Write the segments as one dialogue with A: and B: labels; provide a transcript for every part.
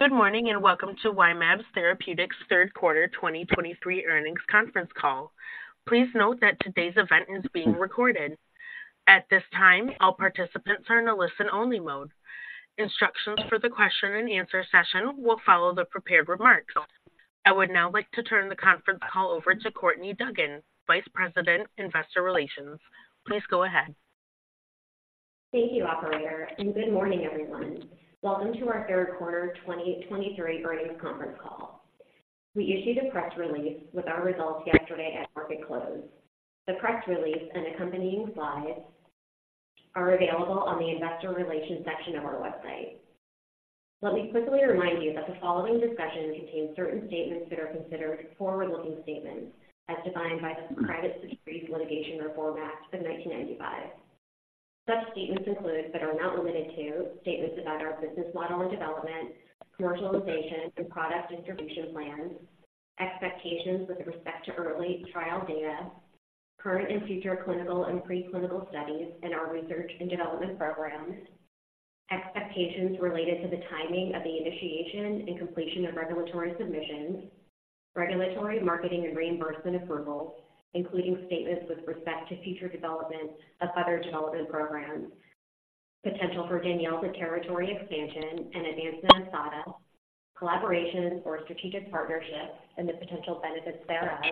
A: Good morning, and welcome to Y-mAbs Therapeutics Third Quarter 2023 Earnings Conference Call. Please note that today's event is being recorded. At this time, all participants are in a listen-only mode. Instructions for the question and answer session will follow the prepared remarks. I would now like to turn the conference call over to Courtney Dugan, Vice President, Investor Relations. Please go ahead.
B: Thank you, operator, and good morning, everyone. Welcome to our Third Quarter 2023 Earnings Conference Call. We issued a press release with our results yesterday at market close. The press release and accompanying slides are available on the Investor Relations section of our website. Let me quickly remind you that the following discussion contains certain statements that are considered forward-looking statements as defined by the Private Securities Litigation Reform Act of 1995. Such statements include, but are not limited to, statements about our business model and development, commercialization and product distribution plans, expectations with respect to early trial data, current and future clinical and preclinical studies in our research and development programs, expectations related to the timing of the initiation and completion of regulatory submissions, regulatory, marketing and reimbursement approvals, including statements with respect to future development of other development programs, potential for DANYELZA territory expansion and advancement of SADA, collaborations or strategic partnerships and the potential benefits thereof.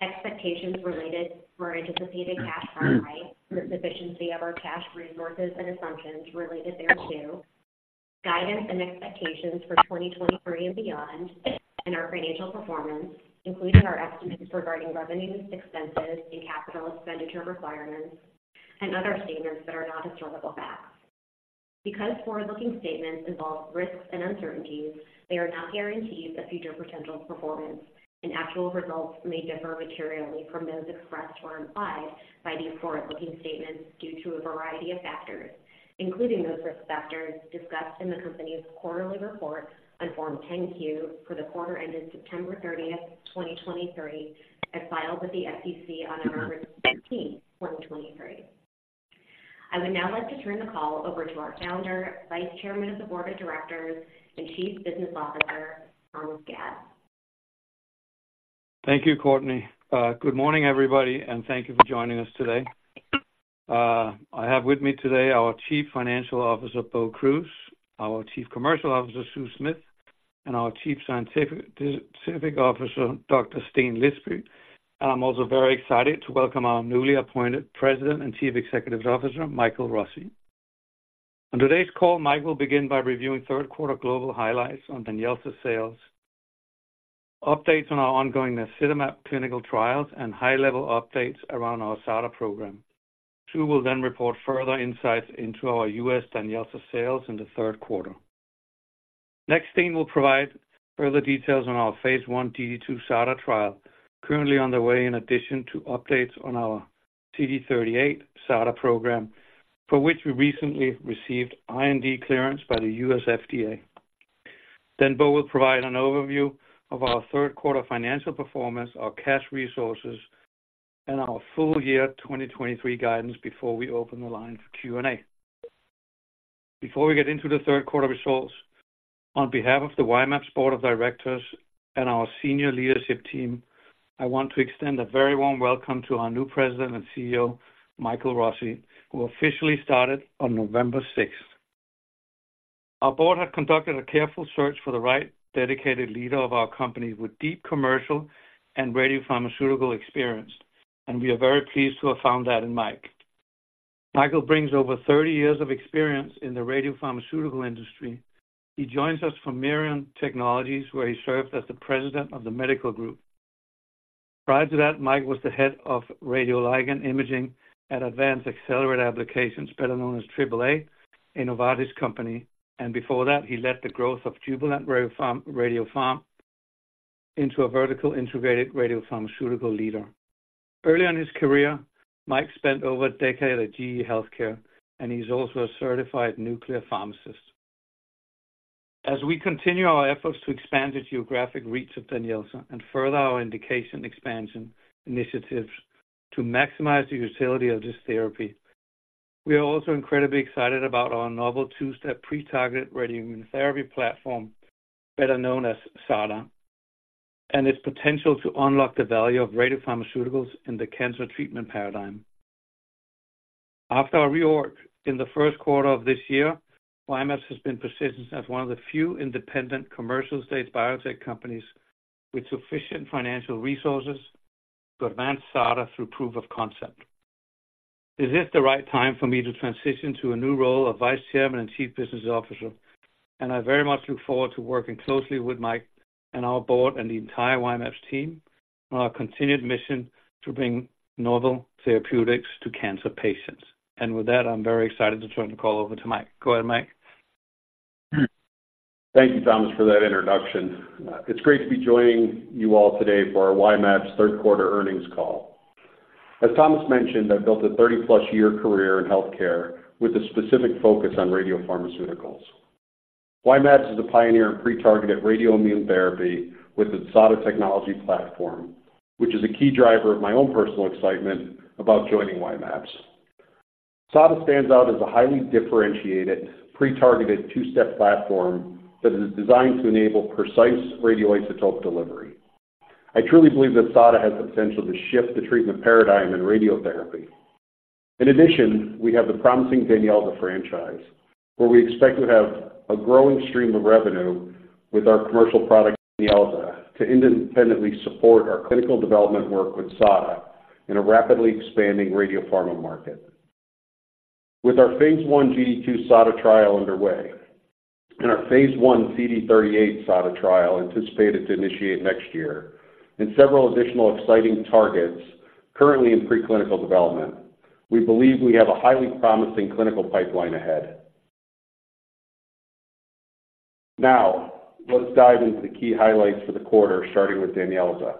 B: Expectations related to our anticipated cash burn rate, the sufficiency of our cash resources and assumptions related thereto, guidance and expectations for 2023 and beyond and our financial performance, including our estimates regarding revenues, expenses and capital expenditure requirements, and other statements that are not historical facts. Because forward-looking statements involve risks and uncertainties, they are not guarantees of future potential performance, and actual results may differ materially from those expressed or implied by these forward-looking statements due to a variety of factors, including those risk factors discussed in the company's quarterly report on Form 10-Q for the quarter ended September 30th, 2023, as filed with the SEC on November 15th, 2023. I would now like to turn the call over to our Founder, Vice Chairman of the Board of Directors, and Chief Business Officer, Thomas Gad.
C: Thank you, Courtney. Good morning, everybody, and thank you for joining us today. I have with me today our Chief Financial Officer, Bo Kruse, our Chief Commercial Officer, Sue Smith, and our Chief Scientific Officer, Dr. Steen Lisby. I'm also very excited to welcome our newly appointed President and Chief Executive Officer, Michael Rossi. On today's call, Mike will begin by reviewing third quarter global highlights on DANYELZA sales, updates on our ongoing naxitamab clinical trials, and high-level updates around our SADA program. Sue will then report further insights into our U.S. DANYELZA sales in the third quarter. Next, Steen will provide further details on our phase I GD2-SADA trial currently underway, in addition to updates on our CD38-SADA program, for which we recently received IND clearance by the U.S. FDA. Bo will provide an overview of our third quarter financial performance, our cash resources, and our full year 2023 guidance before we open the line for Q&A. Before we get into the third quarter results, on behalf of the Y-mAbs Board of Directors and our senior leadership team, I want to extend a very warm welcome to our new President and CEO, Michael Rossi, who officially started on November 6th. Our board has conducted a careful search for the right dedicated leader of our company with deep commercial and radiopharmaceutical experience, and we are very pleased to have found that in Mike. Michael brings over 30 years of experience in the radiopharmaceutical industry. He joins us from Mirion Technologies, where he served as the President of the Medical Group. Prior to that, Mike was the Head of Radioligand Imaging at Advanced Accelerator Applications, better known as Triple A, a Novartis company, and before that, he led the growth of Jubilant Radiopharma into a vertical, integrated radiopharmaceutical leader. Early in his career, Mike spent over a decade at GE Healthcare, and he's also a certified nuclear pharmacist. As we continue our efforts to expand the geographic reach of DANYELZA and further our indication expansion initiatives to maximize the utility of this therapy, we are also incredibly excited about our novel two-step pre-targeted radioimmunotherapy platform, better known as SADA, and its potential to unlock the value of radiopharmaceuticals in the cancer treatment paradigm. After our reorg in the first quarter of this year, Y-mAbs has been positioned as one of the few independent commercial-stage biotech companies with sufficient financial resources to advance SADA through proof of concept. This is the right time for me to transition to a new role of Vice Chairman and Chief Business Officer, and I very much look forward to working closely with Mike and our board and the entire Y-mAbs team on our continued mission to bring novel therapeutics to cancer patients. With that, I'm very excited to turn the call over to Mike. Go ahead, Mike.
D: Thank you, Thomas, for that introduction. It's great to be joining you all today for our Y-mAbs third quarter earnings call. As Thomas mentioned, I've built a 30+-year career in healthcare with a specific focus on radiopharmaceuticals. Y-mAbs is a pioneer in pre-targeted radioimmune therapy with its SADA technology platform, which is a key driver of my own personal excitement about joining Y-mAbs. SADA stands out as a highly differentiated, pre-targeted, two-step platform that is designed to enable precise radioisotope delivery. I truly believe that SADA has the potential to shift the treatment paradigm in radiotherapy. In addition, we have the promising DANYELZA franchise, where we expect to have a growing stream of revenue with our commercial product, DANYELZA, to independently support our clinical development work with SADA in a rapidly expanding radiopharma market. With our phase I GD2-SADA trial underway, and our phase I CD38-SADA trial anticipated to initiate next year, and several additional exciting targets currently in preclinical development, we believe we have a highly promising clinical pipeline ahead. Now, let's dive into the key highlights for the quarter, starting with DANYELZA.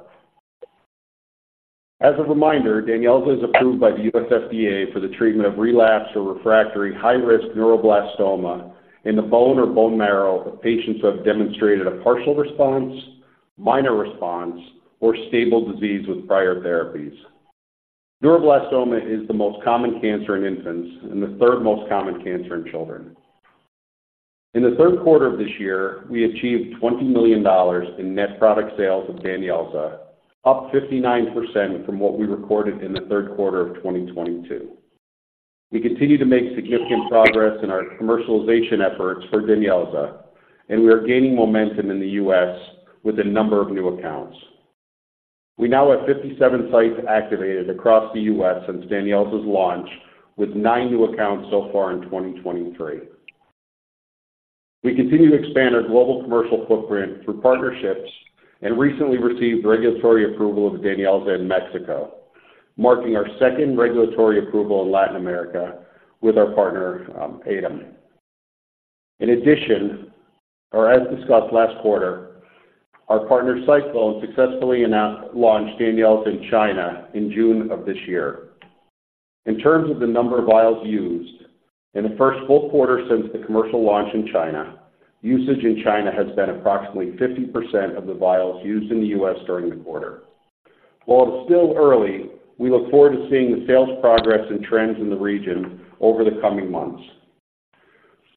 D: As a reminder, DANYELZA is approved by the U.S. FDA for the treatment of relapsed or refractory high-risk neuroblastoma in the bone or bone marrow of patients who have demonstrated a partial response, minor response, or stable disease with prior therapies. Neuroblastoma is the most common cancer in infants and the third most common cancer in children. In the third quarter of this year, we achieved $20 million in net product sales of DANYELZA, up 59% from what we recorded in the third quarter of 2022. We continue to make significant progress in our commercialization efforts for DANYELZA, and we are gaining momentum in the U.S. with a number of new accounts. We now have 57 sites activated across the U.S. since DANYELZA's launch, with nine new accounts so far in 2023. We continue to expand our global commercial footprint through partnerships and recently received regulatory approval of DANYELZA in Mexico, marking our second regulatory approval in Latin America with our partner, Adium. In addition, or as discussed last quarter, our partner, SciClone, successfully launched DANYELZA in China in June of this year. In terms of the number of vials used, in the first full quarter since the commercial launch in China, usage in China has been approximately 50% of the vials used in the U.S. during the quarter. While it's still early, we look forward to seeing the sales progress and trends in the region over the coming months.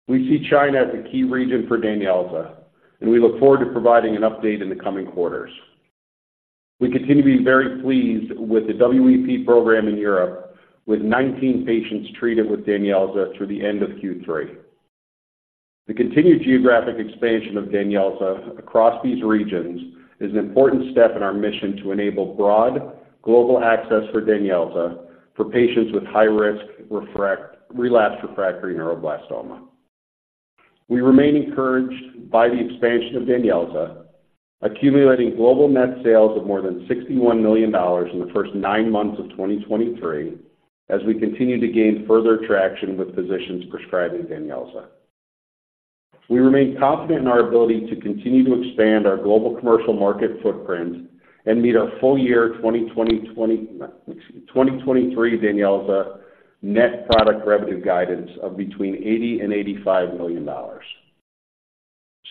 D: We see China as a key region for DANYELZA, and we look forward to providing an update in the coming quarters. We continue to be very pleased with the NPP program in Europe, with 19 patients treated with DANYELZA through the end of Q3. The continued geographic expansion of DANYELZA across these regions is an important step in our mission to enable broad global access for DANYELZA for patients with high-risk relapsed or refractory neuroblastoma. We remain encouraged by the expansion of DANYELZA, accumulating global net sales of more than $61 million in the first nine months of 2023, as we continue to gain further traction with physicians prescribing DANYELZA. We remain confident in our ability to continue to expand our global commercial market footprint and meet our full-year 2023 DANYELZA net product revenue guidance of between $80 million and $85 million. Excuse me,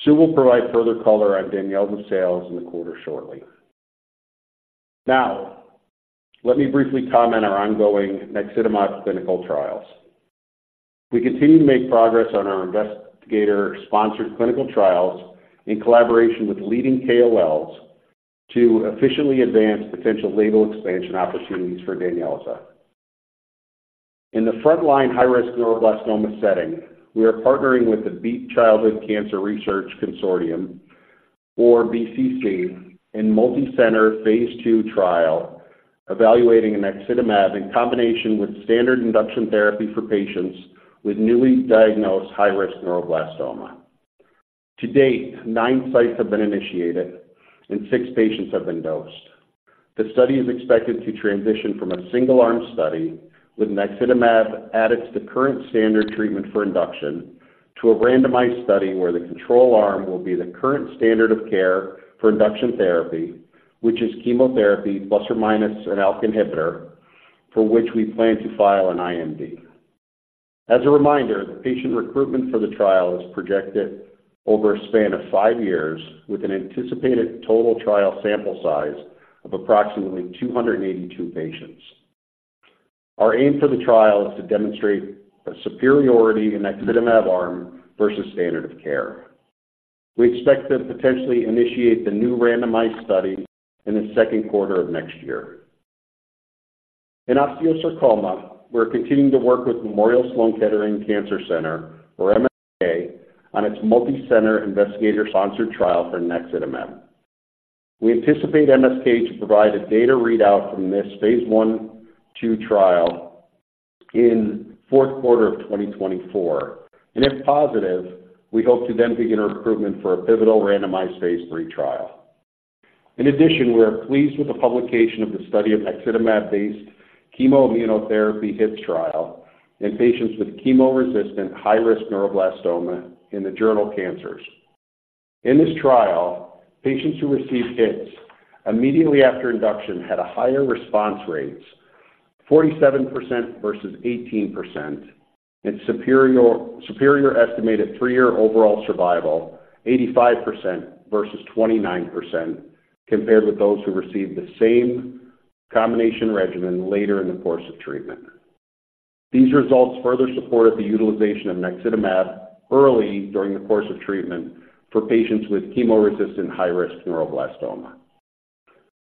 D: Sue will provide further color on DANYELZA sales in the quarter shortly. Now, let me briefly comment on our ongoing naxitamab clinical trials. We continue to make progress on our investigator-sponsored clinical trials in collaboration with leading KOLs to efficiently advance potential label expansion opportunities for DANYELZA. In the frontline high-risk neuroblastoma setting, we are partnering with the Beat Childhood Cancer Research Consortium, or BCC, in multicenter phase II trial, evaluating naxitamab in combination with standard induction therapy for patients with newly diagnosed high-risk neuroblastoma. To date, nine sites have been initiated, and six patients have been dosed. The study is expected to transition from a single-arm study with naxitamab added to the current standard treatment for induction, to a randomized study where the control arm will be the current standard of care for induction therapy, which is chemotherapy ± an ALK inhibitor, for which we plan to file an IND. As a reminder, the patient recruitment for the trial is projected over a span of 5 years, with an anticipated total trial sample size of approximately 282 patients. Our aim for the trial is to demonstrate a superiority in naxitamab arm versus standard of care. We expect to potentially initiate the new randomized study in the second quarter of next year. In osteosarcoma, we're continuing to work with Memorial Sloan Kettering Cancer Center, or MSK, on its multi-center investigator-sponsored trial for naxitamab. We anticipate MSK to provide a data readout from this phase I/2 trial in fourth quarter of 2024, and if positive, we hope to then begin recruitment for a pivotal randomized phase III trial. In addition, we are pleased with the publication of the study of naxitamab-based chemo immunotherapy HITS trial in patients with chemo-resistant, high-risk neuroblastoma in the journal, Cancers. In this trial, patients who received HITS immediately after induction had higher response rates, 47% versus 18% and superior, superior estimated 3-year overall survival, 85% versus 29%, compared with those who received the same combination regimen later in the course of treatment. These results further supported the utilization of naxitamab early during the course of treatment for patients with chemo-resistant high-risk neuroblastoma.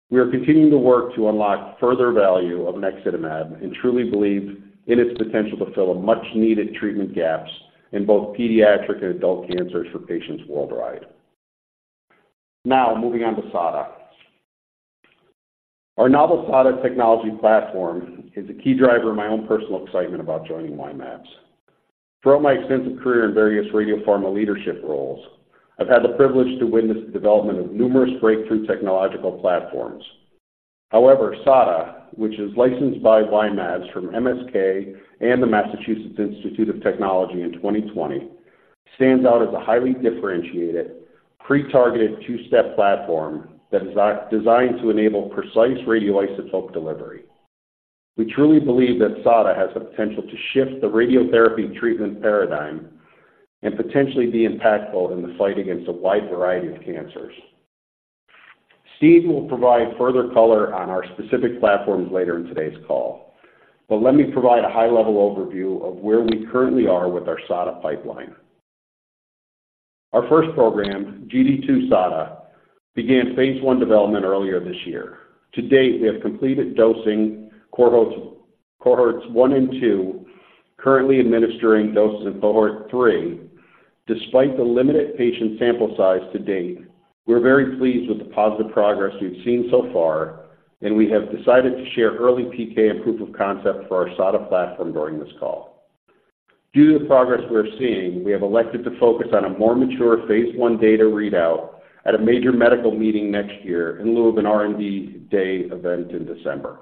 D: We are continuing to work to unlock further value of naxitamab and truly believe in its potential to fill a much-needed treatment gaps in both pediatric and adult cancers for patients worldwide. Now, moving on to SADA. Our novel SADA technology platform is a key driver of my own personal excitement about joining Y-mAbs. Throughout my extensive career in various radiopharma leadership roles, I've had the privilege to witness the development of numerous breakthrough technological platforms. However, SADA, which is licensed by Y-mAbs from MSK and the Massachusetts Institute of Technology in 2020, stands out as a highly differentiated, pre-targeted, two-step platform that is designed to enable precise radioisotope delivery. We truly believe that SADA has the potential to shift the radiotherapy treatment paradigm and potentially be impactful in the fight against a wide variety of cancers. Steen will provide further color on our specific platforms later in today's call, but let me provide a high-level overview of where we currently are with our SADA pipeline. Our first program, GD2-SADA, began phase I development earlier this year. To date, we have completed dosing cohorts, cohorts 1 and 2, currently administering doses in cohort 3. Despite the limited patient sample size to date, we're very pleased with the positive progress we've seen so far, and we have decided to share early PK and proof of concept for our SADA platform during this call. Due to the progress we are seeing, we have elected to focus on a more mature phase I data readout at a major medical meeting next year in lieu of an R&D day event in December.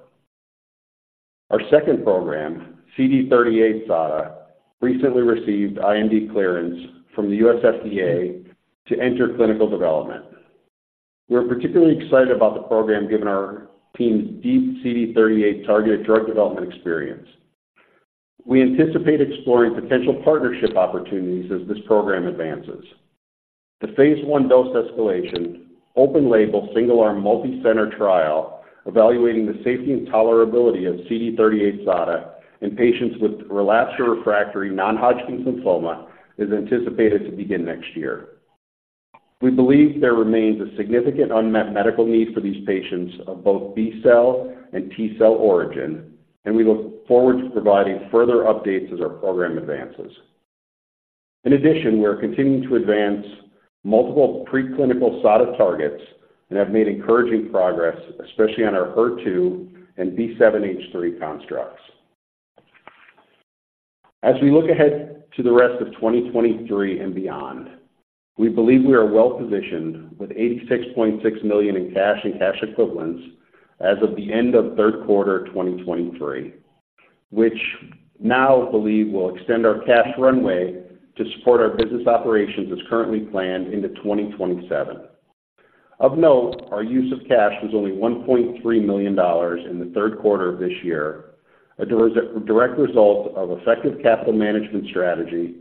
D: Our second program, CD38 SADA, recently received IND clearance from the U.S. FDA to enter clinical development. We are particularly excited about the program, given our team's deep CD38 targeted drug development experience. We anticipate exploring potential partnership opportunities as this program advances. The phase I dose escalation, open label, single-arm, multicenter trial, evaluating the safety and tolerability of CD38 SADA in patients with relapsed or refractory non-Hodgkin's lymphoma, is anticipated to begin next year. We believe there remains a significant unmet medical need for these patients of both B-cell and T-cell origin, and we look forward to providing further updates as our program advances. In addition, we are continuing to advance multiple preclinical SADA targets and have made encouraging progress, especially on our HER2 and B7-H3 constructs. As we look ahead to the rest of 2023 and beyond, we believe we are well-positioned with $86.6 million in cash and cash equivalents as of the end of third quarter 2023, which now believe will extend our cash runway to support our business operations as currently planned into 2027. Of note, our use of cash was only $1.3 million in the third quarter of this year, a direct result of effective capital management strategy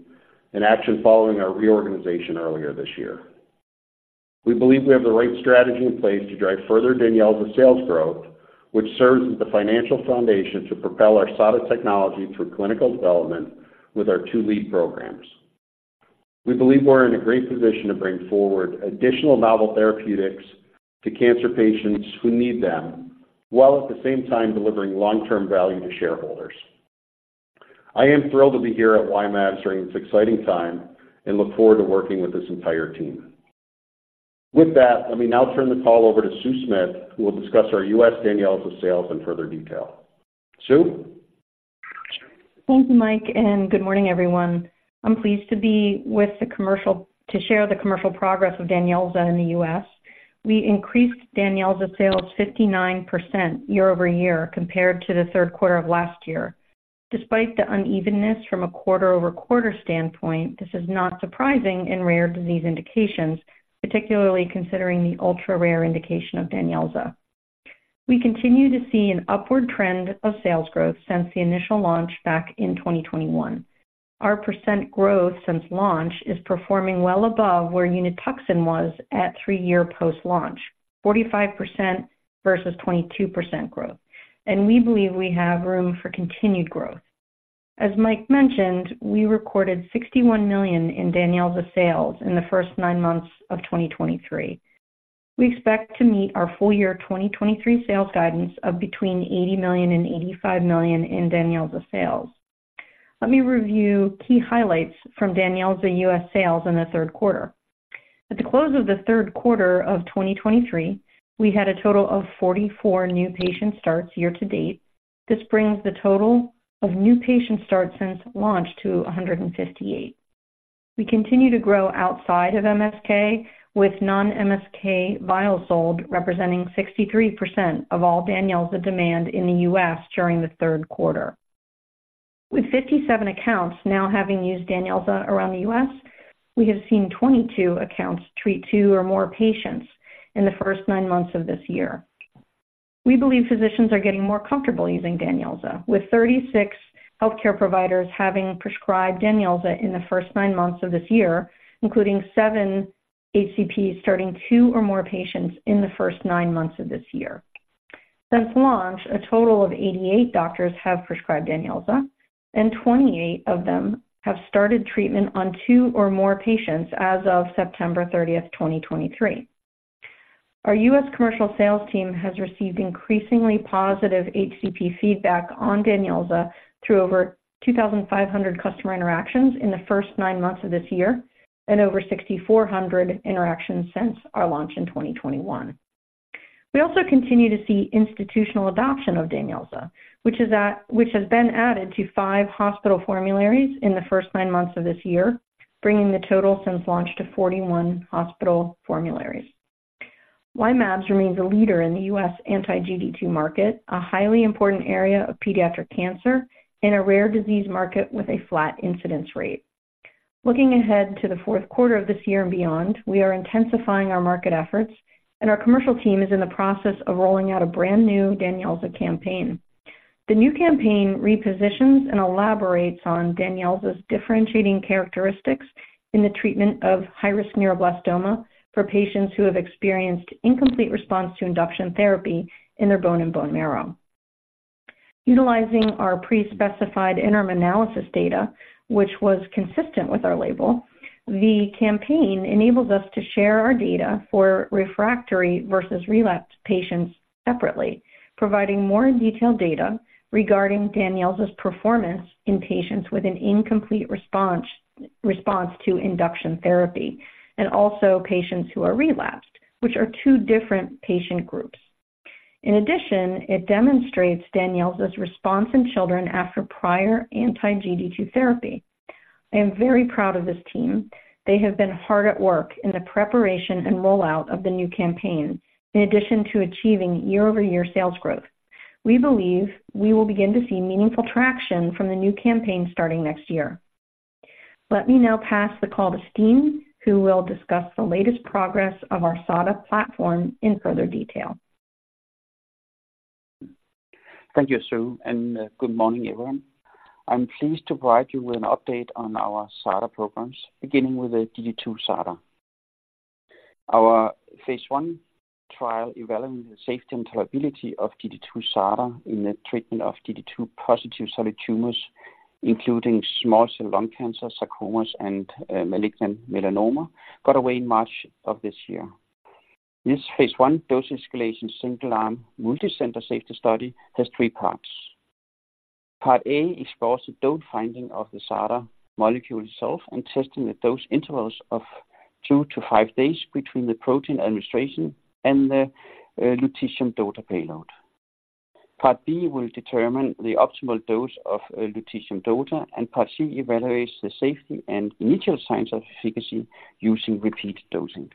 D: and action following our reorganization earlier this year. We believe we have the right strategy in place to drive further DANYELZA sales growth, which serves as the financial foundation to propel our SADA technology through clinical development with our two lead programs. We believe we're in a great position to bring forward additional novel therapeutics to cancer patients who need them, while at the same time delivering long-term value to shareholders. I am thrilled to be here at Y-mAbs during this exciting time and look forward to working with this entire team. With that, let me now turn the call over to Sue Smith, who will discuss our U.S. DANYELZA sales in further detail. Sue?
E: Thank you, Mike, and good morning, everyone. I'm pleased to share the commercial progress of DANYELZA in the U.S. We increased DANYELZA sales 59% year-over-year compared to the third quarter of last year. Despite the unevenness from a quarter-over-quarter standpoint, this is not surprising in rare disease indications, particularly considering the ultra-rare indication of DANYELZA. We continue to see an upward trend of sales growth since the initial launch back in 2021. Our percent growth since launch is performing well above where Unituxin was at three-year post-launch, 45% versus 22% growth, and we believe we have room for continued growth. As Mike mentioned, we recorded $61 million in DANYELZA sales in the first nine months of 2023. We expect to meet our full year 2023 sales guidance of between $80 million and $85 million in DANYELZA sales. Let me review key highlights from DANYELZA US sales in the third quarter. At the close of the third quarter of 2023, we had a total of 44 new patient starts year to date. This brings the total of new patient starts since launch to 158. We continue to grow outside of MSK, with non-MSK vials sold, representing 63% of all DANYELZA demand in the US during the third quarter. With 57 accounts now having used DANYELZA around the US, we have seen 22 accounts treat 2 or more patients in the first nine months of this year. We believe physicians are getting more comfortable using DANYELZA, with 36 healthcare providers having prescribed DANYELZA in the first nine months of this year, including 7 HCPs starting 2 or more patients in the first nine months of this year. Since launch, a total of 88 doctors have prescribed DANYELZA, and 28 of them have started treatment on two or more patients as of September 30, 2023. Our U.S. commercial sales team has received increasingly positive HCP feedback on DANYELZA through over 2,500 customer interactions in the first nine months of this year, and over 6,400 interactions since our launch in 2021. We also continue to see institutional adoption of DANYELZA, which has been added to five hospital formularies in the first nine months of this year, bringing the total since launch to 41 hospital formularies. Y-mAbs remains a leader in the U.S. anti-GD2 market, a highly important area of pediatric cancer and a rare disease market with a flat incidence rate. Looking ahead to the fourth quarter of this year and beyond, we are intensifying our market efforts, and our commercial team is in the process of rolling out a brand-new DANYELZA campaign. The new campaign repositions and elaborates on DANYELZA's differentiating characteristics in the treatment of high-risk neuroblastoma for patients who have experienced incomplete response to induction therapy in their bone and bone marrow. Utilizing our pre-specified interim analysis data, which was consistent with our label, the campaign enables us to share our data for refractory versus relapsed patients separately, providing more detailed data regarding DANYELZA's performance in patients with an incomplete response, response to induction therapy, and also patients who are relapsed, which are two different patient groups. In addition, it demonstrates DANYELZA's response in children after prior anti-GD2 therapy. I am very proud of this team. They have been hard at work in the preparation and rollout of the new campaign, in addition to achieving year-over-year sales growth. We believe we will begin to see meaningful traction from the new campaign starting next year. Let me now pass the call to Steen, who will discuss the latest progress of our SADA platform in further detail.
F: Thank you, Sue, and good morning, everyone. I'm pleased to provide you with an update on our SADA programs, beginning with the GD2-SADA. Our phase I trial evaluating the safety and tolerability of GD2-SADA in the treatment of GD2-positive solid tumors, including small cell lung cancer, sarcomas, and malignant melanoma, got underway in March of this year. This phase I dose-escalation, single-arm, multicenter safety study has 3 parts. Part A explores the dose finding of the SADA molecule itself and testing the dose intervals of 2-5 days between the protein administration and the lutetium DOTATATE payload. Part B will determine the optimal dose of lutetium DOTATATE, and part C evaluates the safety and initial signs of efficacy using repeat dosing.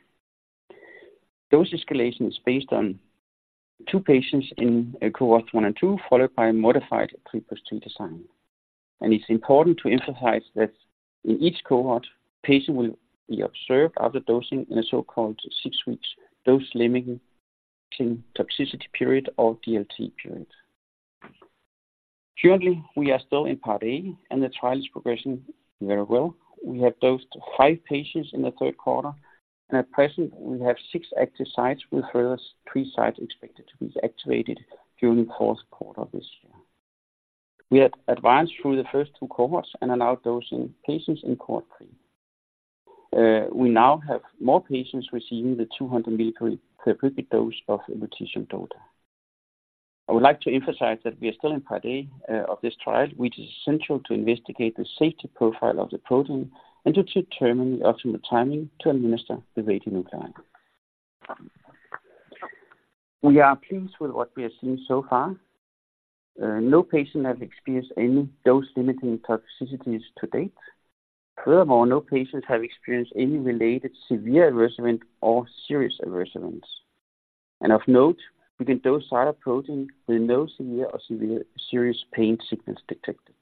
F: Dose escalation is based on 2 patients in a cohort 1 and 2, followed by a modified 3 + 2 design. It's important to emphasize that in each cohort, patient will be observed after dosing in a so-called 6 weeks dose-limiting toxicity period or DLT period. Currently, we are still in part A, and the trial is progressing very well. We have dosed 5 patients in the third quarter, and at present, we have 6 active sites, with further 3 sites expected to be activated during the fourth quarter of this year. We have advanced through the first 2 cohorts and allowed dosing patients in cohort 3. We now have more patients receiving the 200 milligram per repeat dose of lutetium DOTATATE. I would like to emphasize that we are still in part A, of this trial, which is essential to investigate the safety profile of the protein and to determine the optimal timing to administer the radionuclide. We are pleased with what we have seen so far. No patient has experienced any dose-limiting toxicities to date. Furthermore, no patients have experienced any related severe adverse event or serious adverse events. And of note, we can dose SADA protein with no severe or serious pain signals detected.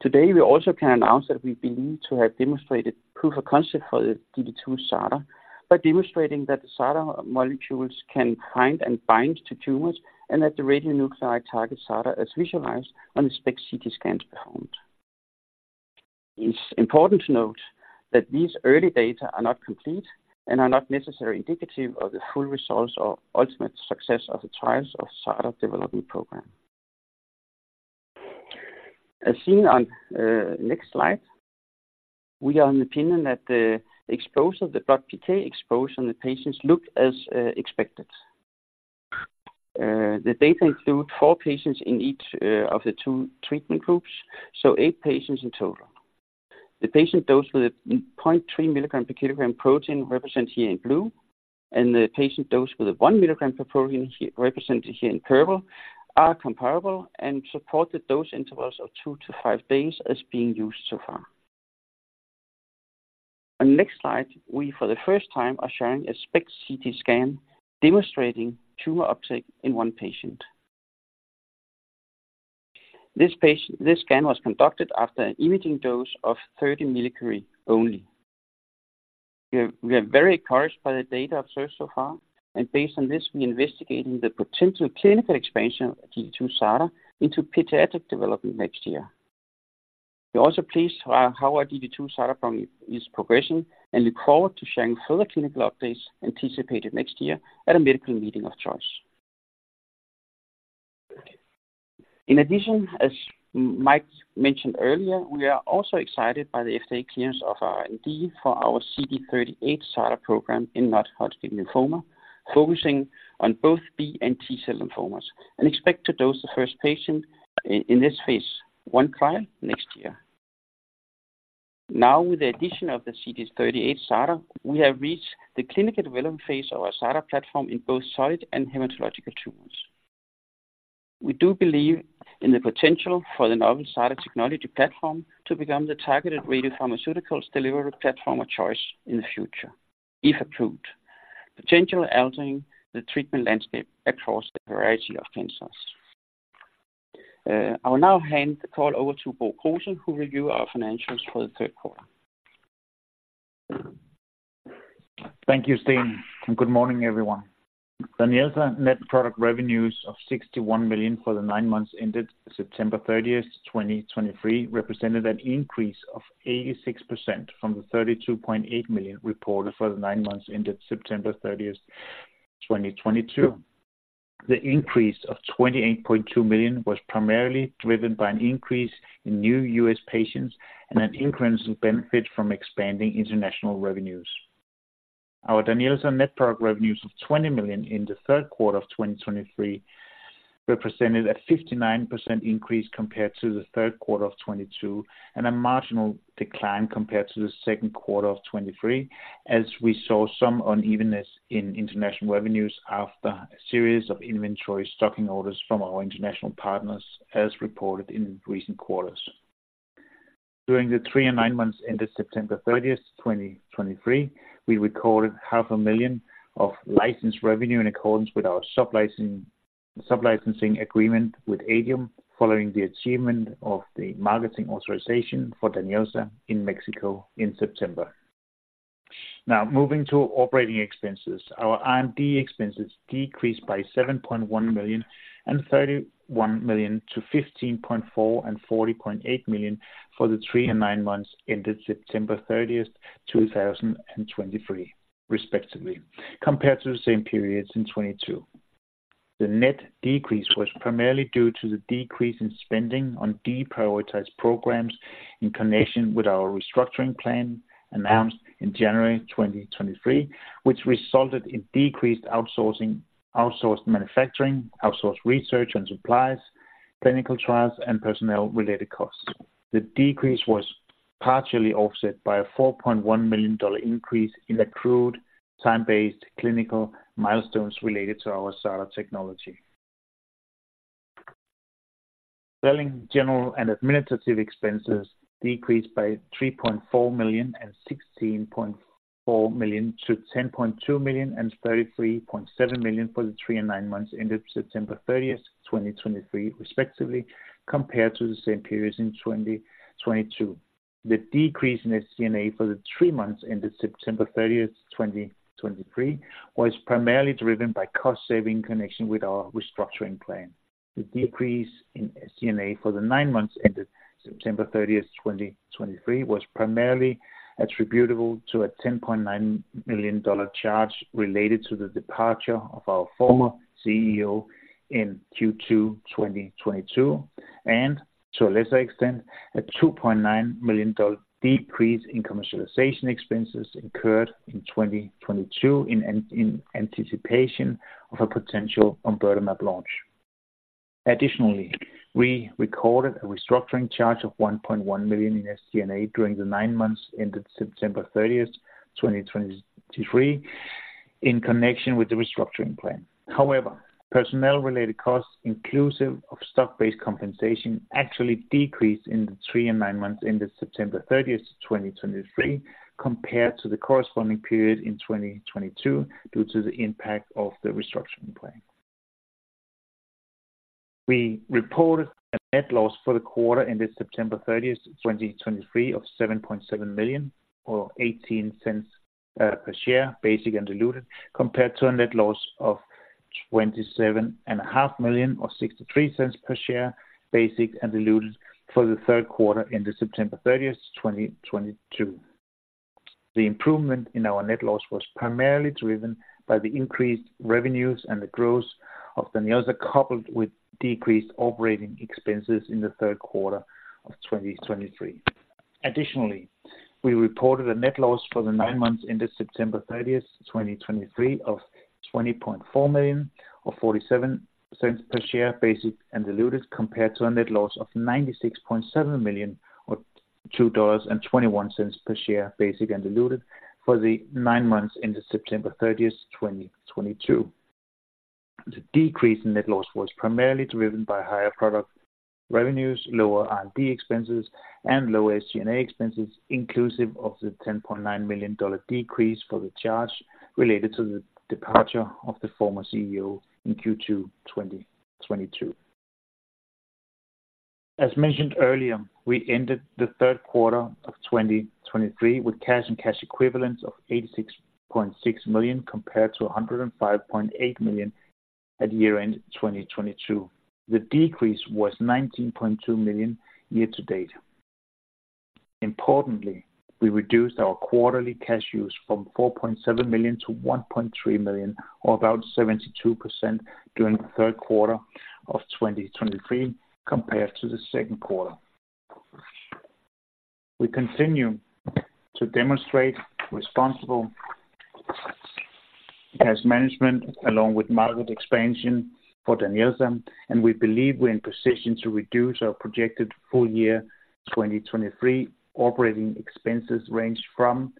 F: Today, we also can announce that we believe to have demonstrated proof of concept for the GD2-SADA by demonstrating that the SADA molecules can find and bind to tumors, and that the radionuclide targets SADA as visualized on the SPECT-CT scans performed. It's important to note that these early data are not complete and are not necessarily indicative of the full results or ultimate success of the trials of SADA development program. As seen on next slide, we are in opinion that the exposure, the blood PK exposure on the patients look as expected. The data include 4 patients in each of the two treatment groups, so 8 patients in total. The patient dose with a 0.3 milligram per kilogram protein, represented here in blue, and the patient dose with a 1 milligram per protein, here, represented here in purple, are comparable and support the dose intervals of 2-5 days as being used so far. On next slide, we, for the first time, are showing a SPECT-CT scan demonstrating tumor uptake in one patient. This patient, this scan was conducted after an imaging dose of 30 millicurie only. We are, we are very encouraged by the data observed so far, and based on this, we're investigating the potential clinical expansion of GD2-SADA into pediatric development next year. We're also pleased by how our GD2-SADA program is progressing, and look forward to sharing further clinical updates anticipated next year at a medical meeting of choice. In addition, as Mike mentioned earlier, we are also excited by the FDA clearance of our IND for our CD38-SADA program in non-Hodgkin lymphoma, focusing on both B and T cell lymphomas, and expect to dose the first patient in this phase I trial next year. Now, with the addition of the CD38-SADA, we have reached the clinical development phase of our SADA platform in both solid and hematological tumors. We do believe in the potential for the novel SADA technology platform to become the targeted radiopharmaceuticals delivery platform of choice in the future, if approved, potentially altering the treatment landscape across a variety of cancers. I will now hand the call over to Bo Kruse, who will review our financials for the third quarter.
G: Thank you, Steen, and good morning, everyone. DANYELZA net product revenues of $61 million for the nine months ended September 30th, 2023, represented an increase of 86% from the $32.8 million reported for the nine months ended September 30th, 2022. The increase of $28.2 million was primarily driven by an increase in new U.S. patients, and an incremental benefit from expanding international revenues. Our DANYELZA net product revenues of $20 million in the third quarter of 2023, represented a 59% increase compared to the third quarter of 2022, and a marginal decline compared to the second quarter of 2023, as we saw some unevenness in international revenues after a series of inventory stocking orders from our international partners, as reported in recent quarters. During the three and nine months ended September 30, 2023, we recorded $500,000 of licensed revenue in accordance with our sub-licensing, sub-licensing agreement with Adium, following the achievement of the marketing authorization for DANYELZA in Mexico in September. Now, moving to operating expenses. Our R&D expenses decreased by $7.1 million and $31 million to $15.4 million and $40.8 million for the three and nine months ended September 30, 2023, respectively, compared to the same periods in 2022. The net decrease was primarily due to the decrease in spending on deprioritized programs in connection with our restructuring plan announced in January 2023, which resulted in decreased outsourcing, outsourced manufacturing, outsourced research and supplies, clinical trials, and personnel related costs. The decrease was partially offset by a $4.1 million increase in accrued time-based clinical milestones related to our SADA technology. Selling general and administrative expenses decreased by $3.4 million and $16.4 million-$10.2 million and $33.7 million for the three and nine months ended September 30th, 2023, respectively, compared to the same periods in 2022. The decrease in SG&A for the three months ended September 30th, 2023, was primarily driven by cost savings in connection with our restructuring plan. The decrease in SCNA for the 9 months ended September 30th, 2023, was primarily attributable to a $10.9 million charge related to the departure of our former CEO in Q2 2022, and to a lesser extent, a $2.9 million decrease in commercialization expenses incurred in 2022, in anticipation of a potential omburtamab launch. Additionally, we recorded a restructuring charge of $1.1 million in SCNA during the 9 months ended September 30th, 2023, in connection with the restructuring plan. However, personnel-related costs inclusive of stock-based compensation actually decreased in the 3 and 9 months ended September 30th, 2023, compared to the corresponding period in 2022, due to the impact of the restructuring plan. We reported a net loss for the quarter, ended September 30, 2023, of $7.7 million, or $0.18 per share, basic and diluted, compared to a net loss of $27.5 million, or $0.63 per share, basic and diluted, for the third quarter, ended September 30th, 2022. The improvement in our net loss was primarily driven by the increased revenues and the growth of DANYELZA, coupled with decreased operating expenses in the third quarter of 2023. Additionally, we reported a net loss for the nine months, ended September 30th, 2023, of $20.4 million, or $0.47 per share, basic and diluted, compared to a net loss of $96.7 million, or $2.21 per share, basic and diluted, for the nine months, ended September 30, 2022. The decrease in net loss was primarily driven by higher product revenues, lower R&D expenses, and lower SG&A expenses, inclusive of the $10.9 million decrease for the charge related to the departure of the former CEO in Q2 2022. As mentioned earlier, we ended the third quarter of 2023 with cash and cash equivalents of $86.6 million compared to $105.8 million at year-end 2022. The decrease was $19.2 million year to date. Importantly, we reduced our quarterly cash use from $4.7 million-$1.3 million, or about 72%, during the third quarter of 2023 compared to the second quarter. We continue to demonstrate responsible cash management along with market expansion for DANYELZA, and we believe we're in position to reduce our projected full year 2023 operating expenses range from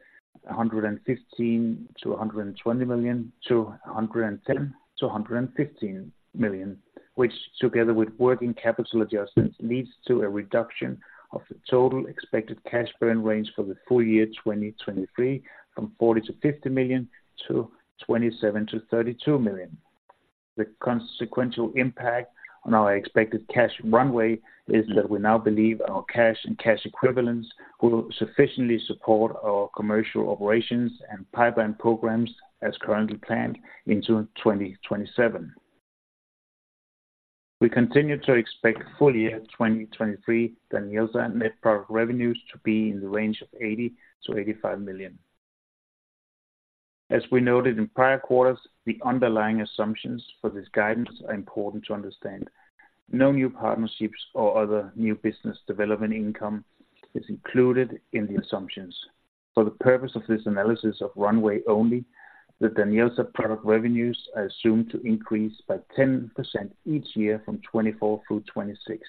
G: $115 million-$120 million to $110 million-$115 million, which together with working capital adjustments, leads to a reduction of the total expected cash burn range for the full year, 2023, from $40 million-$50 million to $27 million-$32 million. The consequential impact on our expected cash runway is that we now believe our cash and cash equivalents will sufficiently support our commercial operations and pipeline programs as currently planned into 2027. We continue to expect full year 2023 DANYELZA net product revenues to be in the range of $80 million-$85 million. As we noted in prior quarters, the underlying assumptions for this guidance are important to understand. No new partnerships or other new business development income is included in the assumptions. For the purpose of this analysis of runway only, the DANYELZA product revenues are assumed to increase by 10% each year from 2024 through 2026.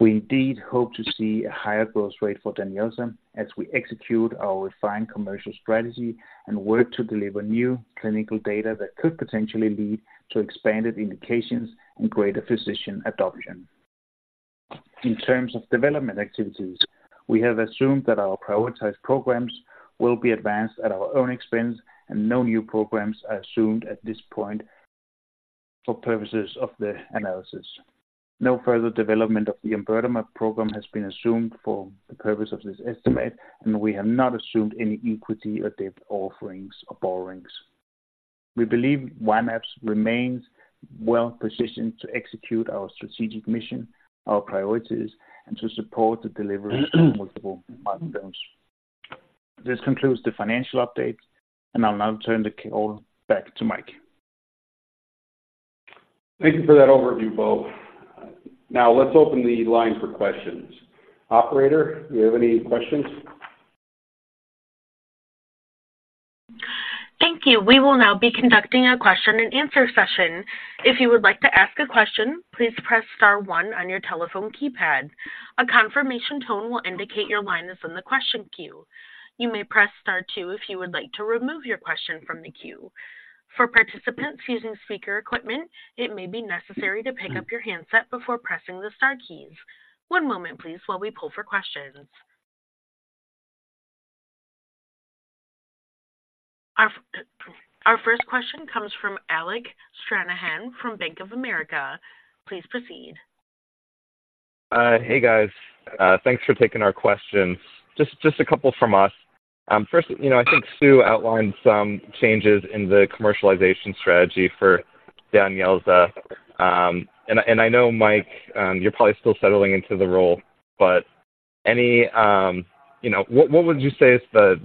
G: We indeed hope to see a higher growth rate for DANYELZA as we execute our refined commercial strategy and work to deliver new clinical data that could potentially lead to expanded indications and greater physician adoption. In terms of development activities, we have assumed that our prioritized programs will be advanced at our own expense and no new programs are assumed at this point for purposes of the analysis. No further development of the omburtamab program has been assumed for the purpose of this estimate, and we have not assumed any equity or debt offerings or borrowings. We believe Y-mAbs remains well positioned to execute our strategic mission, our priorities and to support the delivery of multiple milestones. This concludes the financial update, and I'll now turn the call back to Mike.
D: Thank you for that overview, Bo. Now let's open the line for questions. Operator, do you have any questions?
A: Thank you. We will now be conducting a question and answer session. If you would like to ask a question, please press star one on your telephone keypad. A confirmation tone will indicate your line is in the question queue. You may press star two if you would like to remove your question from the queue. For participants using speaker equipment, it may be necessary to pick up your handset before pressing the star keys. One moment please, while we pull for questions. Our first question comes from Alec Stranahan from Bank of America. Please proceed.
H: Hey, guys. Thanks for taking our questions. Just a couple from us. First, you know, I think Sue outlined some changes in the commercialization strategy for DANYELZA. And I know, Mike, you're probably still settling into the role, but any, you know. What would you say is the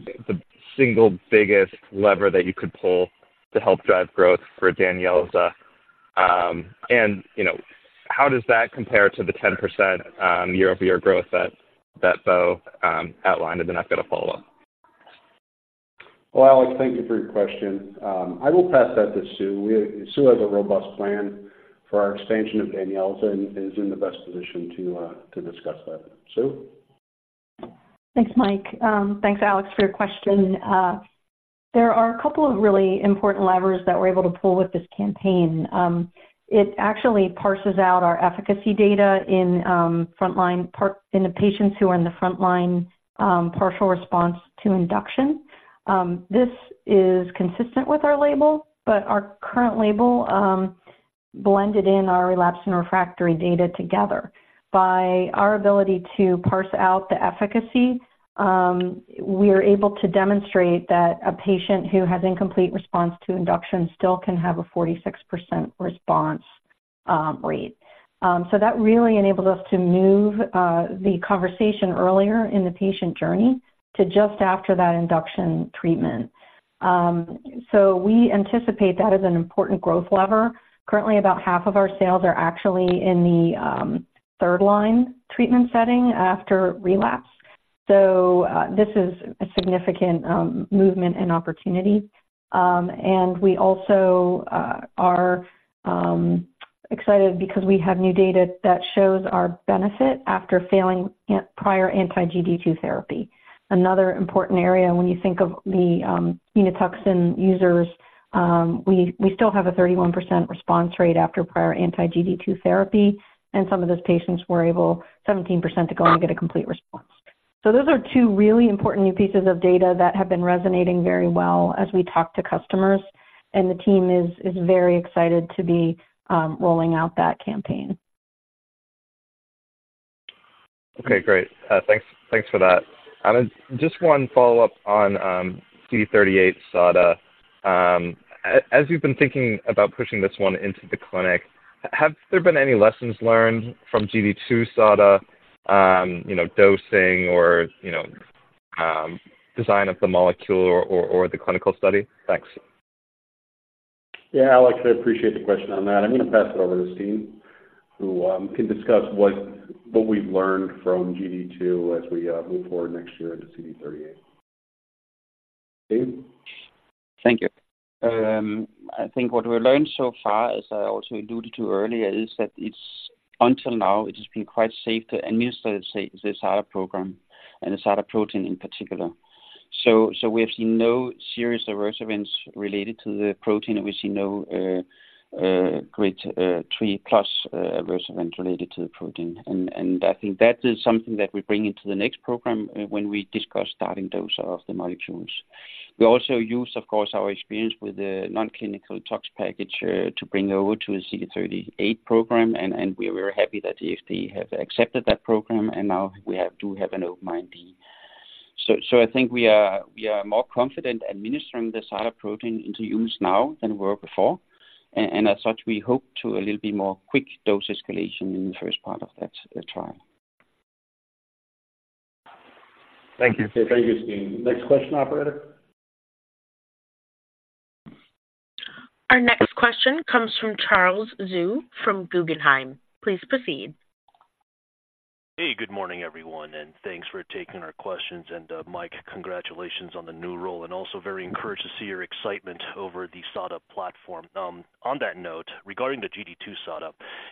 H: single biggest lever that you could pull to help drive growth for DANYELZA? And you know, how does that compare to the 10% year-over-year growth that Bo outlined? And then I've got a follow-up.
D: Well, Alec, thank you for your question. I will pass that to Sue. Sue has a robust plan for our expansion of DANYELZA and is in the best position to discuss that. Sue?
E: Thanks, Mike. Thanks, Alec, for your question. There are a couple of really important levers that we're able to pull with this campaign. It actually parses out our efficacy data in frontline part, in the patients who are in the frontline, partial response to induction. This is consistent with our label, but our current label blended in our relapse and refractory data together. By our ability to parse out the efficacy, we are able to demonstrate that a patient who has incomplete response to induction still can have a 46% response rate. So that really enabled us to move the conversation earlier in the patient journey to just after that induction treatment. So we anticipate that as an important growth lever. Currently, about half of our sales are actually in the third line treatment setting after relapse. So, this is a significant movement and opportunity. And we also are excited because we have new data that shows our benefit after failing at prior anti-GD2 therapy. Another important area when you think of the Unituxin users, we still have a 31% response rate after prior anti-GD2 therapy, and some of those patients were able, 17%, to go and get a complete response. So those are two really important new pieces of data that have been resonating very well as we talk to customers, and the team is very excited to be rolling out that campaign.
H: Okay, great. Thanks, thanks for that. And just one follow-up on CD38-SADA. As you've been thinking about pushing this one into the clinic, have there been any lessons learned from GD2-SADA, you know, dosing or, you know, design of the molecule or the clinical study? Thanks.
D: Yeah, Alec, I appreciate the question on that. I'm going to pass it over to Steen, who can discuss what we've learned from GD2 as we move forward next year into CD38. Steen?
F: Thank you. I think what we learned so far, as I also alluded to earlier, is that it's, until now, it has been quite safe to administer the SADA program and the SADA protein in particular. So we have seen no serious adverse events related to the protein, and we see no grade III plus adverse event related to the protein. And I think that is something that we bring into the next program when we discuss starting dose of the molecules. We also use, of course, our experience with the non-clinical tox package to bring over to a CD38 program, and we're very happy that the FDA have accepted that program, and now we have to have an open mind. So, I think we are more confident administering the SADA protein into use now than we were before. And as such, we hope to a little bit more quick dose escalation in the first part of that trial.
H: Thank you.
D: Thank you, Steen. Next question, operator?
A: Our next question comes from Charles Zhu from Guggenheim. Please proceed.
I: Hey, good morning, everyone, and thanks for taking our questions. And, Mike, congratulations on the new role, and also very encouraged to see your excitement over the SADA platform. On that note, regarding the GD2-SADA,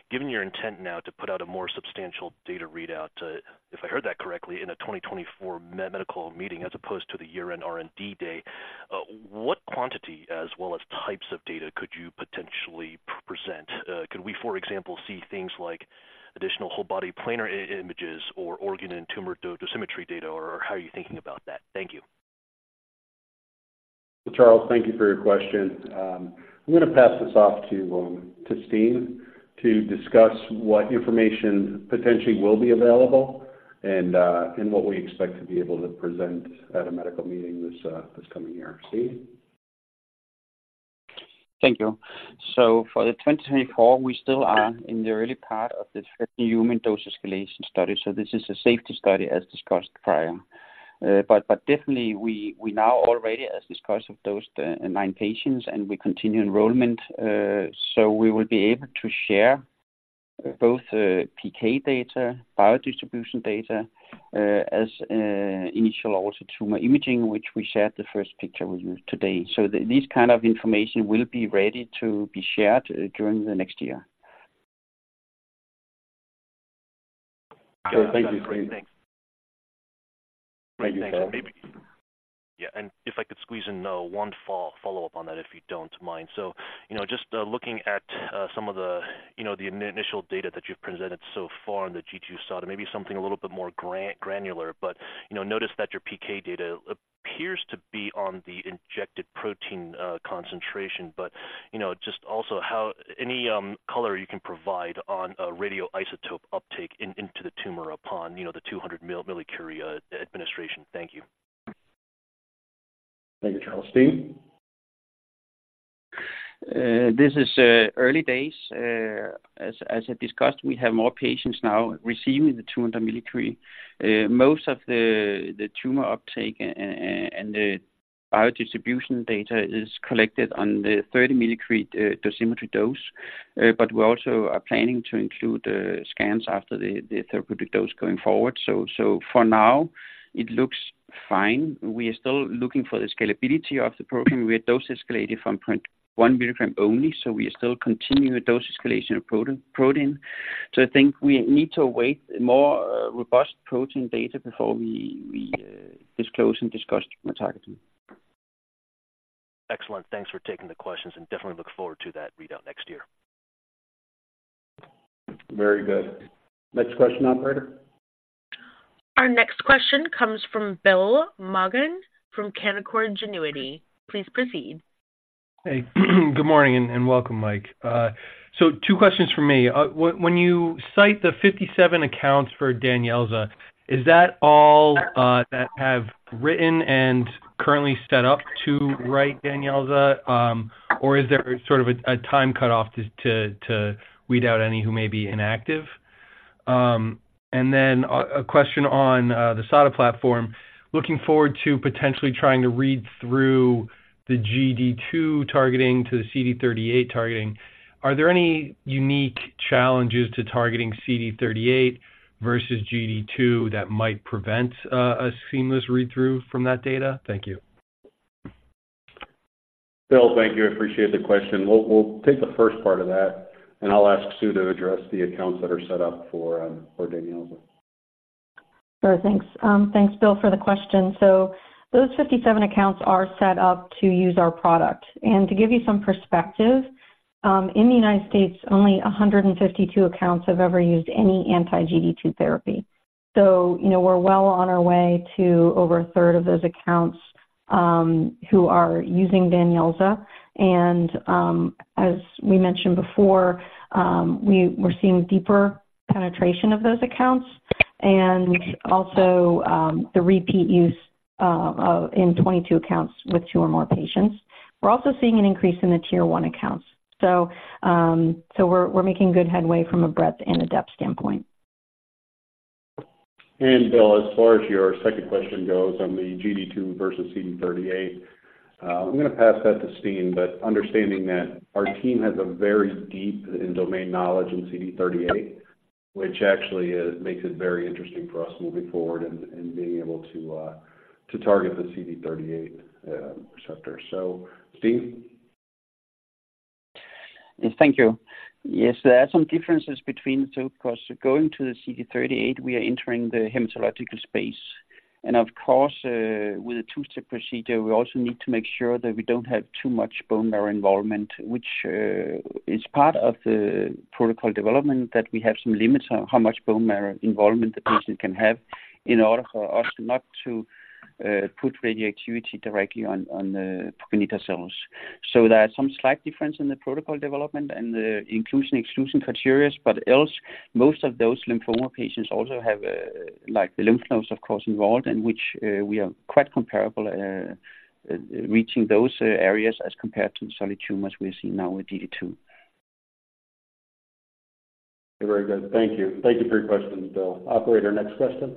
I: given your intent now to put out a more substantial data readout, if I heard that correctly, in a 2024 medical meeting as opposed to the year-end R&D day, what quantity as well as types of data could you potentially present? Could we, for example, see things like additional whole body planar images or organ and tumor dosimetry data, or how are you thinking about that? Thank you.
D: Charles, thank you for your question. I'm going to pass this off to Steen to discuss what information potentially will be available and what we expect to be able to present at a medical meeting this coming year. Steen?
F: Thank you. So for the 2024, we still are in the early part of this first human dose escalation study, so this is a safety study, as discussed prior. But definitely we now already, as discussed, have dosed 9 patients, and we continue enrollment. So we will be able to share both PK data, biodistribution data, as initial also tumor imaging, which we shared the first picture with you today. So these kind of information will be ready to be shared during the next year.
I: Thank you.
D: Thank you, Charles.
I: Yeah, and if I could squeeze in one follow-up on that, if you don't mind. So, you know, just looking at some of the, you know, the initial data that you've presented so far in the GD2-SADA, maybe something a little bit more granular, but, you know, noticed that your PK data appears to be on the injected protein concentration. But, you know, just also how any color you can provide on a radioisotope uptake into the tumor upon, you know, the 200 millicurie administration. Thank you.
D: Thank you, Charles. Steen?
F: This is early days. As I discussed, we have more patients now receiving the 200 millicurie. Most of the tumor uptake and the biodistribution data is collected on the 30 millicurie dosimetry dose. But we also are planning to include scans after the therapeutic dose going forward. For now, it looks fine. We are still looking for the scalability of the protein. We are dose escalated from 0.1 microgram only, so we are still continuing the dose escalation of protein. So I think we need to await more robust protein data before we disclose and discuss methodology.
I: Excellent. Thanks for taking the questions, and definitely look forward to that readout next year.
D: Very good. Next question, operator.
A: Our next question comes from Bill Maughan from Canaccord Genuity. Please proceed.
J: Hey, good morning, and welcome, Mike. So two questions from me. When you cite the 57 accounts for DANYELZA, is that all that have written and currently set up to write DANYELZA? Or is there sort of a time cutoff to weed out any who may be inactive? And then a question on the SADA platform. Looking forward to potentially trying to read through the GD2 targeting to the CD38 targeting, are there any unique challenges to targeting CD38 versus GD2 that might prevent a seamless read-through from that data? Thank you.
D: Bill, thank you. I appreciate the question. We'll take the first part of that, and I'll ask Sue to address the accounts that are set up for DANYELZA.
E: Sure. Thanks. Thanks, Bill, for the question. So those 57 accounts are set up to use our product. And to give you some perspective, in the United States, only 152 accounts have ever used any anti-GD2 therapy. So, you know, we're well on our way to over a third of those accounts who are using DANYELZA. And, as we mentioned before, we're seeing deeper penetration of those accounts and also the repeat use in 22 accounts with two or more patients. We're also seeing an increase in the Tier 1 accounts. So we're making good headway from a breadth and a depth standpoint.
D: And Bill, as far as your second question goes on the GD2 versus CD38, I'm gonna pass that to Steen, but understanding that our team has a very deep in-domain knowledge in CD38, which actually makes it very interesting for us moving forward and being able to target the CD38 receptor. So, Steen?
F: Yes, thank you. Yes, there are some differences between the two. Of course, going to the CD38, we are entering the hematological space. And of course, with a two-step procedure, we also need to make sure that we don't have too much bone marrow involvement, which is part of the protocol development, that we have some limits on how much bone marrow involvement the patient can have in order for us not to put radioactivity directly on the progenitor cells. So there are some slight difference in the protocol development and the inclusion, exclusion criteria, but else, most of those lymphoma patients also have, like, the lymph nodes, of course, involved, in which we are quite comparable, reaching those areas as compared to the solid tumors we are seeing now with GD2.
D: Very good. Thank you. Thank you for your questions, Bill. Operator, next question.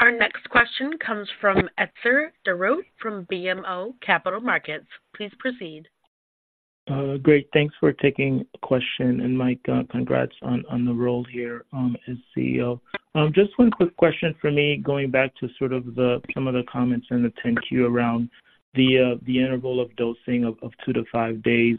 A: Our next question comes from Etzer Darout from BMO Capital Markets. Please proceed.
K: Great. Thanks for taking the question, and Mike, congrats on the role here as CEO. Just one quick question for me, going back to some of the comments in the 10-Q around the interval of dosing of 2-5 days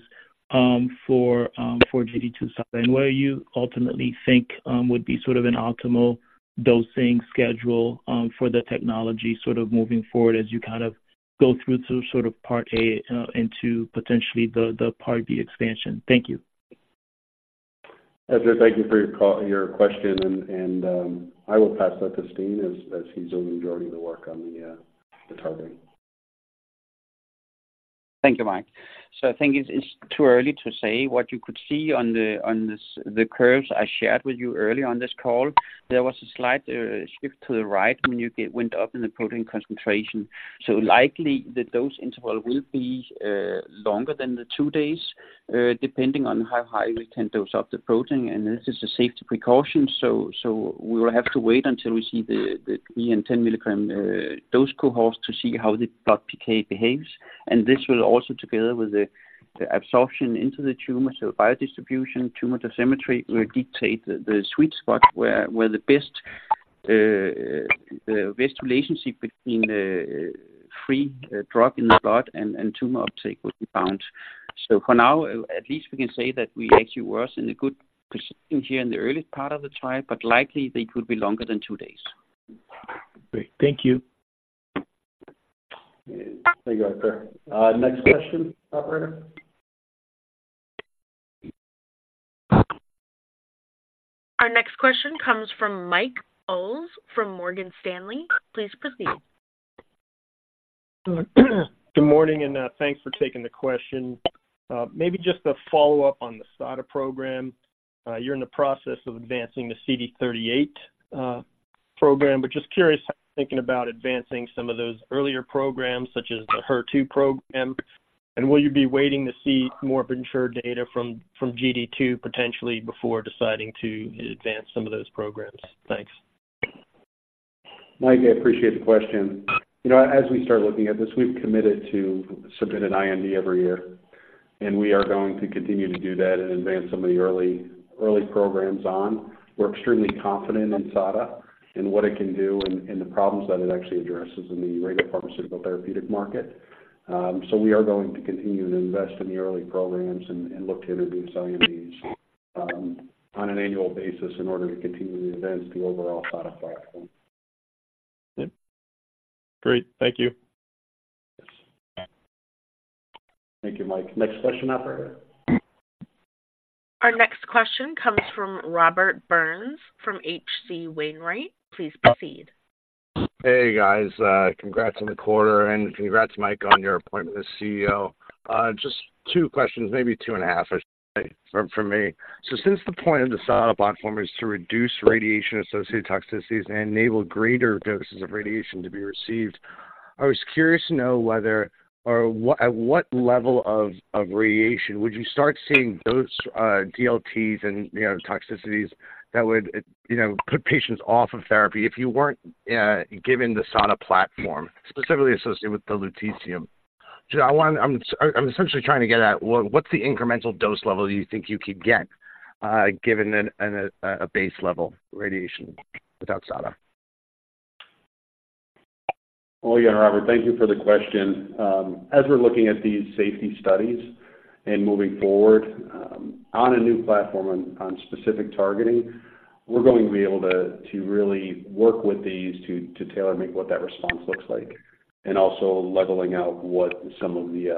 K: for GD2-SADA, and what you ultimately think would be an optimal dosing schedule for the technology, sort of moving forward as you kind of go through to sort of Part A into potentially the Part B expansion. Thank you.
D: Etzer, thank you for your call, your question, and I will pass that to Steen as he's doing the majority of the work on the targeting.
F: Thank you, Mike. So I think it's too early to say what you could see on the curves I shared with you earlier on this call. There was a slight shift to the right when you went up in the protein concentration. So likely, the dose interval will be longer than the two days, depending on how high we can dose up the protein, and this is a safety precaution. So we will have to wait until we see the three and 10 milligram dose cohorts to see how the blood PK behaves. This will also, together with the absorption into the tumor, so biodistribution, tumor symmetry, will dictate the sweet spot where the best relationship between the free drug in the blood and tumor uptake will be found. So for now, at least we can say that we actually were in a good position here in the early part of the trial, but likely they could be longer than two days.
K: Great. Thank you.
D: Thank you, Etzer. Next question, operator?
A: Our next question comes from Mike Ulz, from Morgan Stanley. Please proceed.
L: Good morning, and thanks for taking the question. Maybe just a follow-up on the SADA program. You're in the process of advancing the CD38 program, but just curious, thinking about advancing some of those earlier programs, such as the HER2 program, and will you be waiting to see more data from GD2, potentially before deciding to advance some of those programs? Thanks.
F: Mike, I appreciate the question. You know, as we start looking at this, we've committed to submit an IND every year, and we are going to continue to do that and advance some of the early, early programs on. We're extremely confident in SADA and what it can do and, and the problems that it actually addresses in the regulatory pharmaceutical therapeutic market. So we are going to continue to invest in the early programs and, and look to introduce INDs on an annual basis in order to continue to advance the overall SADA platform.
D: Yep.
L: Great. Thank you.
D: Thank you, Mike. Next question, operator.
A: Our next question comes from Robert Burns, from H.C. Wainwright. Please proceed.
M: Hey, guys. Congrats on the quarter, and congrats, Mike, on your appointment as CEO. Just two questions, maybe two and a half I should say, from me. So since the point of the SADA platform is to reduce radiation-associated toxicities and enable greater doses of radiation to be received, I was curious to know at what level of radiation would you start seeing those DLTs and, you know, toxicities that would, you know, put patients off of therapy if you weren't given the SADA platform, specifically associated with the lutetium? I'm essentially trying to get at, well, what's the incremental dose level you think you could get, given a base level radiation without SADA?
D: Oh, yeah, Robert, thank you for the question. As we're looking at these safety studies and moving forward, on a new platform on specific targeting, we're going to be able to really work with these to tailor make what that response looks like, and also leveling out what some of the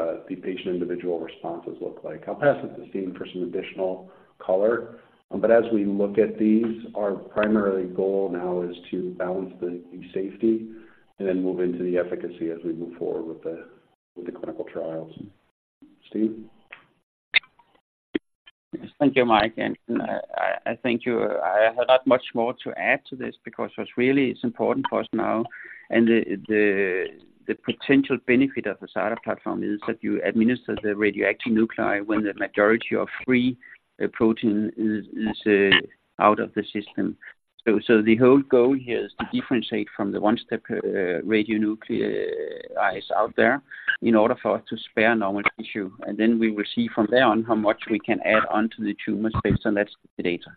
D: patient individual responses look like. I'll pass it to Steen for some additional color. But as we look at these, our primary goal now is to balance the safety and then move into the efficacy as we move forward with the clinical trials. Steen?
F: Thank you, Mike, and I thank you. I have not much more to add to this because what's really is important for us now, and the potential benefit of the SADA platform is that you administer the radioactive nuclei when the majority of free protein is out of the system. So the whole goal here is to differentiate from the one-step radionuclei out there in order for us to spare normal tissue. And then we will see from there on how much we can add onto the tumor space, and that's the data.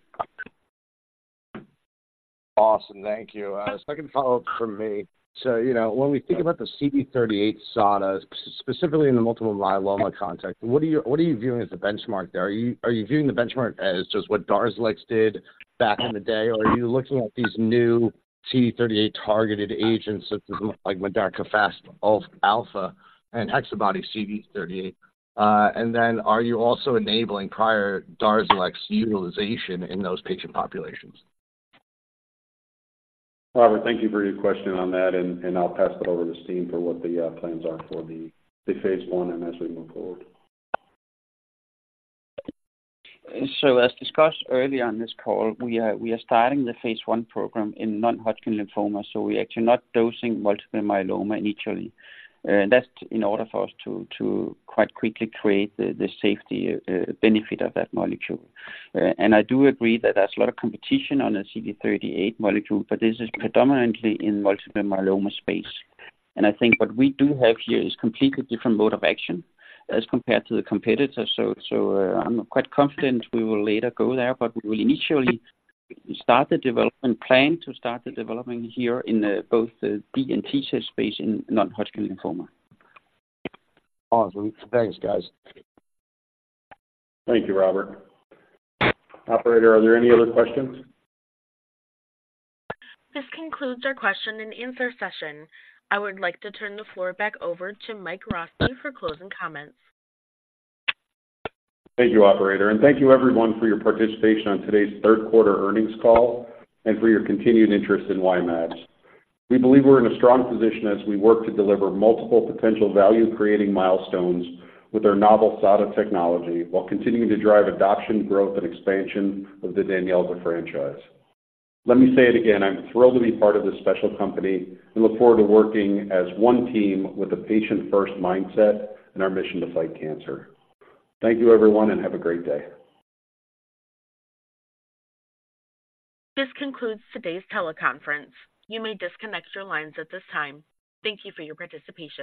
M: Awesome. Thank you. Second follow-up from me. So, you know, when we think about the CD38-SADA, specifically in the multiple myeloma context, what are you viewing as the benchmark there? Are you viewing the benchmark as just what Darzalex did back in the day? Or are you looking at these new CD38-targeted agents, such as like Modakafusp alfa and HexaBody-CD38? And then are you also enabling prior Darzalex utilization in those patient populations?
D: Robert, thank you for your question on that, and I'll pass it over to Steen for what the plans are for the phase I and as we move forward.
F: So as discussed earlier on this call, we are starting the phase I program in non-Hodgkin lymphoma, so we're actually not dosing multiple myeloma initially. That's in order for us to quite quickly create the safety benefit of that molecule. And I do agree that there's a lot of competition on the CD38 molecule, but this is predominantly in multiple myeloma space. And I think what we do have here is completely different mode of action as compared to the competitor. So I'm quite confident we will later go there, but we will initially start the development plan to start the development here in both the B and T cell space in non-Hodgkin lymphoma.
M: Awesome. Thanks, guys.
D: Thank you, Robert. Operator, are there any other questions?
A: This concludes our question-and-answer session. I would like to turn the floor back over to Mike Rossi for closing comments.
D: Thank you, Operator, and thank you everyone for your participation on today's third quarter earnings call and for your continued interest in Y-mAbs. We believe we're in a strong position as we work to deliver multiple potential value-creating milestones with our novel SADA technology, while continuing to drive adoption, growth, and expansion of the DANYELZA franchise. Let me say it again, I'm thrilled to be part of this special company and look forward to working as one team with a patient-first mindset in our mission to fight cancer. Thank you, everyone, and have a great day.
A: This concludes today's teleconference. You may disconnect your lines at this time. Thank you for your participation.